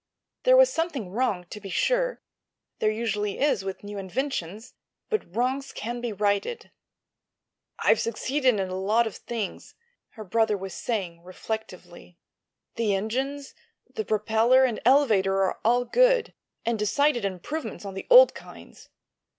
There was something wrong, to be sure; there usually is with new inventions; but wrongs can be righted. "I've succeeded in a lot of things," her brother was saying, reflectively. "The engines, the propeller and elevator are all good, and decided improvements on the old kinds.